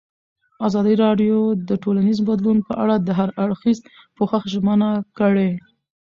ازادي راډیو د ټولنیز بدلون په اړه د هر اړخیز پوښښ ژمنه کړې.